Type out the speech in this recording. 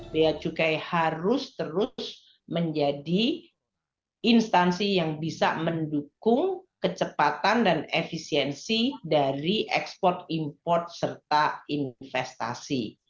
bea cukai harus terus menjadi instansi yang bisa mendukung kecepatan dan efisiensi dari ekspor import serta investasi